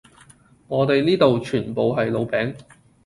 我地依度全部都係老餅